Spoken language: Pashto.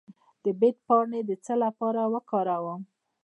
د بید پاڼې د څه لپاره وکاروم؟